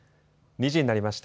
２時になりました。